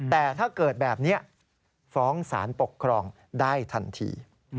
แต่ถ้าเกิดแบบนี้ฟ้องสารปกครองได้ทันที